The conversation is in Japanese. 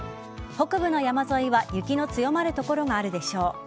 北部の山沿いは雪の強まる所があるでしょう。